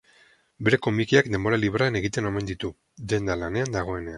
Bere komikiak denbora librean egiten omen ditu, dendan lanean dagoenean.